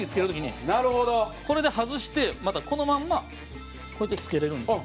水田：これで外してまた、このまんまこうやって付けられるんですよ。